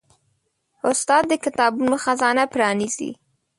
استاد د کتابونو خزانه پرانیزي.